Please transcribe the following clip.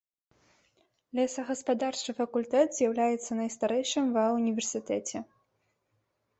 Лесагаспадарчы факультэт з'яўляецца найстарэйшым ва ўніверсітэце.